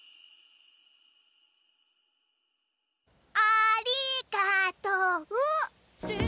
ありがとう。